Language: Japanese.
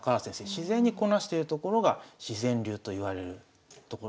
自然にこなしてるところが自然流といわれるところ。